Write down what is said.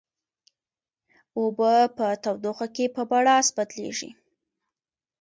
اوبه په تودوخه کې په بړاس بدلیږي.